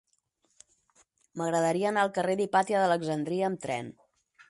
M'agradaria anar al carrer d'Hipàtia d'Alexandria amb tren.